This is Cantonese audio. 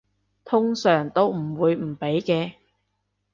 通常都唔會唔俾嘅